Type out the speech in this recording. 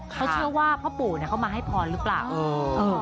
เขาเชื่อว่าพ่อปู่เนี่ยเข้ามาให้พรหรือเปล่าเออเออ